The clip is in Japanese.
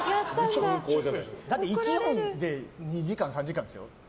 だって１音で２時間、３時間ですよ。